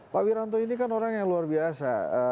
pak wiranto ini kan orang yang luar biasa